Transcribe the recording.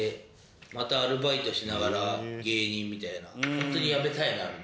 ホントに辞めたいなみたいな。